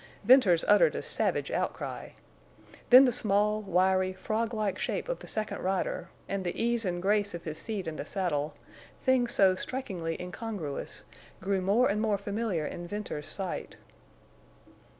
Venters uttered a savage outcry. Then the small, wiry, frog like shape of the second rider, and the ease and grace of his seat in the saddle—things so strikingly incongruous—grew more and more familiar in Venters's sight.